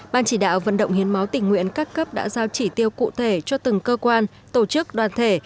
ban chỉ đạo vận động hiến máu tình nguyện các cấp đã giao chỉ tiêu cụ thể cho từng cơ quan tổ chức đoàn thể